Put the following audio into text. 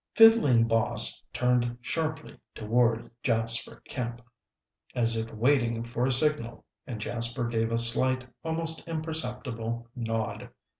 _" Fiddling Boss turned sharply toward Jasper Kemp, as if waiting for a signal, and Jasper gave a slight, almost imperceptible nod.